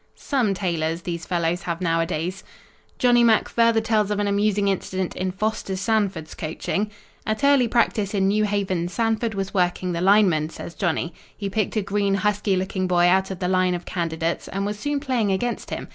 "Some tailors, these fellows have nowadays." Johnny Mack further tells of an amusing incident in Foster Sanford's coaching. "At early practice in New Haven Sanford was working the linemen," says Johnny. "He picked a green, husky looking boy out of the line of candidates and was soon playing against him.